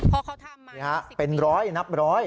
พอเขาทำมา๑๐ปีเป็นร้อยนับร้อย